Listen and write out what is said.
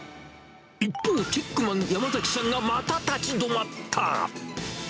一方、チェックマン、山崎さんがまた立ち止まった。